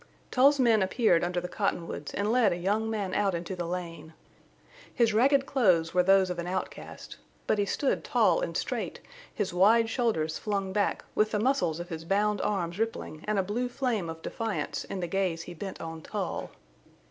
Tull's men appeared under the cottonwoods and led a young man out into the lane. His ragged clothes were those of an outcast. But he stood tall and straight, his wide shoulders flung back, with the muscles of his bound arms rippling and a blue flame of defiance in the gaze he bent on Tull.